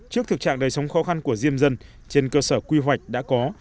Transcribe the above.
trước thực trạng đời sống khó khăn của diêm dân trên cơ sở quy hoạch đã có